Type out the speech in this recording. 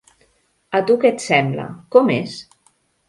A tu què et sembla, com és?